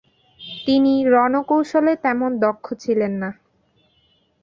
তিনি রণকৌশলে তেমন দক্ষ ছিলেন না।